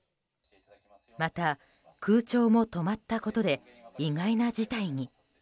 また、空調も止まったことで意外な事態に。